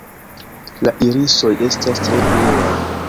La irisoj estas tre bluaj.